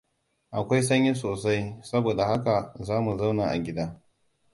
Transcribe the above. Akwai sanyi sosai, saboda haka za mu zauna a gida.